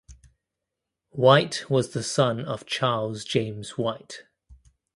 Whyte was the son of Charles James Whyte.